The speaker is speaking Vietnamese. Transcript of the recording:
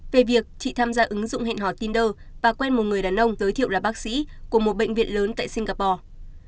về việc chị tham gia ứng dụng hẹn hò tinder và quen một người đàn ông giới thiệu là bác sĩ của một bệnh viện lớn tại singapore